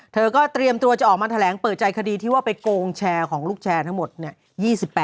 เธอก็เตรียมตัวจะออกมาแถลงเปิดใจคดีที่ว่าไปโกงแชร์ของลูกแชร์ทั้งหมดเนี่ย